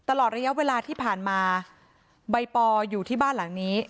ตลอดระยะเวลาที่ผ่านมาใบปออยู่ที่บ้านหลังนี้